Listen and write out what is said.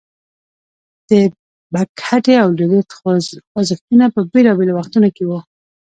د بکهتي او دلیت خوځښتونه په بیلابیلو وختونو کې وو.